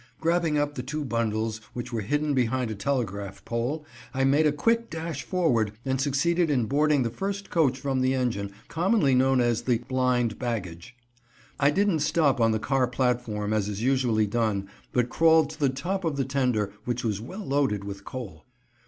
Grabbing up the two bundles, which were hidden behind a telegraph pole, I made a quick dash forward and succeeded in boarding the first coach from the engine, commonly known as the "blind baggage." I didn't stop on the car platform, as is usually done, but crawled to the top of the tender, which was well loaded with coal.